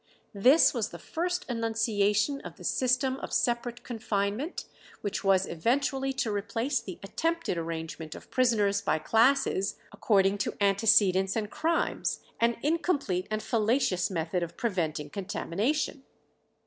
This was the first enunciation of the system of separate confinement, which was eventually to replace the attempted arrangement of prisoners by classes according to antecedents and crimes, an incomplete and fallacious method of preventing contamination.